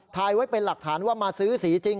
ถ่ายไว้เป็นหลักฐานว่ามาซื้อสีจริง